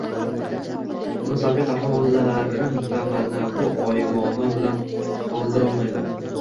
Uni salbiy qahramonlarim va mana bu oymomo bilan qoldirolmayman